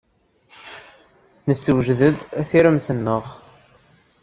Nessewjed-d tiremt-nneɣ.